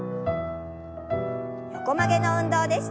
横曲げの運動です。